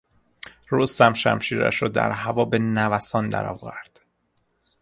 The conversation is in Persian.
رستم شمشیرش را در هوا به نوسان در آورد.